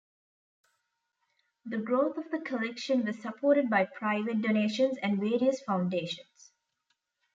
The growth of the collection was supported by private donations and various foundations.